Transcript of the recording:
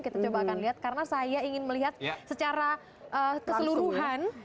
kita coba akan lihat karena saya ingin melihat secara keseluruhan